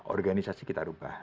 organisasi kita rubah